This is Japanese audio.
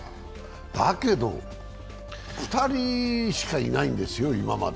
だけど２人しかいないんですよ、今まで。